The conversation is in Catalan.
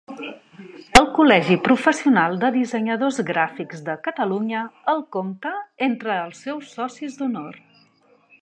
El Col·legi Professional de Dissenyadors Gràfics de Catalunya el compta entre els seus socis d'honor.